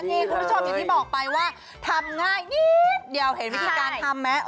นี่คุณผู้ชมอย่างที่บอกไปว่าทำง่ายนิดเดียวเห็นวิธีการทำไหม